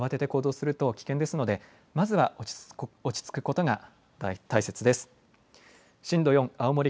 慌てて行動すると危険ですのでまずは落ち着くことが大切です。